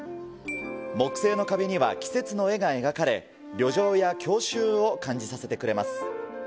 木製の壁には季節の絵が描かれ、旅情や郷愁を感じさせてくれます。